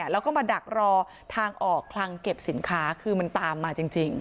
แล้วก็มาดักรอทางออกคลังเก็บสินค้าคือมันตามมาจริง